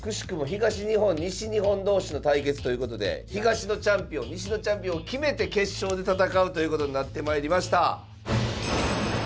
東日本西日本同士の対決ということで東のチャンピオン西のチャンピオンを決めて決勝で戦うということになってまいりました。